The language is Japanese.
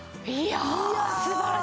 いやあ素晴らしい。